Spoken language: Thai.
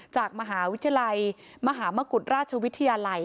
จากมหาวิทยาลัยมหามกุฎราชวิทยาลัย